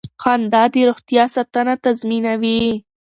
خندا د روغتیا ساتنه تضمینوي.